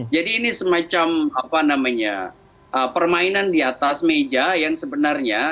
ini semacam apa namanya permainan di atas meja yang sebenarnya